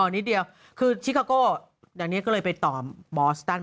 อ๋อนิดเดียวคือชิคโก้อย่างนี้ก็เลยไปต่อบอสตานด์